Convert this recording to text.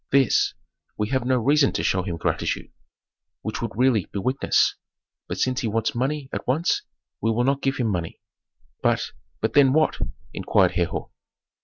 "This we have no reason to show him gratitude, which would really be weakness. But since he wants money at once, we will not give him money." "But but then what?" inquired Herhor.